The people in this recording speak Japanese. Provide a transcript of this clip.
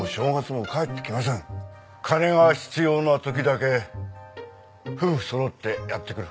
金が必要な時だけ夫婦そろってやって来る。